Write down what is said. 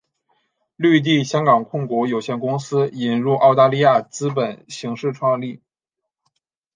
绿地香港控股有限公司引入澳大利亚资本形式创立。